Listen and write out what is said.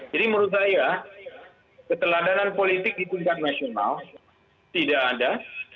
jadi menurut saya keteladanan politik di tindak nasional tidak ada